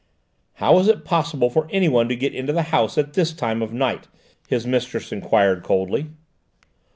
"How was it possible for anyone to get into the house at this time of night?" his mistress enquired coldly.